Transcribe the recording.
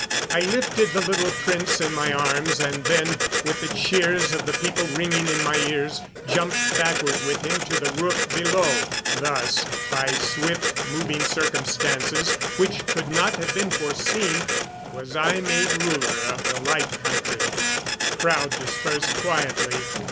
I lifted the little prince in my arms, and then, with the cheers of the people ringing in my ears, jumped backward with him to the roof below. Thus, by swift moving circumstances which could not have been foreseen, was I made ruler of the Light Country. The crowd dispersed quietly.